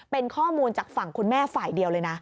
เป็นข้อมูลจากฝั่งคุณแม่ฝ่ายเดียวเลยนะ